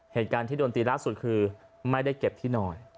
เหตุการณ์ที่โดนตีล่าสุดคือไม่ได้เก็บที่นอน